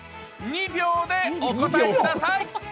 ２秒でお答えください。